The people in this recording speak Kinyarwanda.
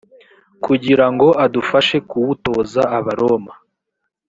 kugira ngo adufashe kuwutoza abaroma